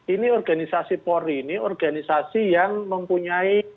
ini organisasi polri ini organisasi yang mempunyai